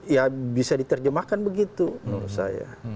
ya bisa diterjemahkan begitu menurut saya